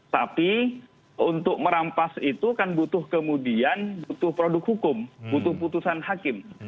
tapi untuk merampas itu kan butuh kemudian butuh produk hukum butuh putusan hakim